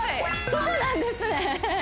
そうなんですね